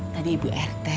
tadi ibu rt